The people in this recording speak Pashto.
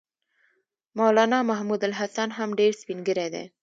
مولنا محمودالحسن هم ډېر سپین ږیری دی.